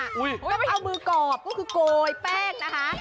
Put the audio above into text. แล้วก็เอามือกรอบก็คือโกยแป้งนะคะ